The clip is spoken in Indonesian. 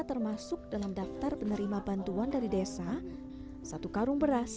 tak masalah jika harus memakan tiwul agar anaknya bisa makan nasi